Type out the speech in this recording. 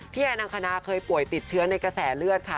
แอร์นังคณาเคยป่วยติดเชื้อในกระแสเลือดค่ะ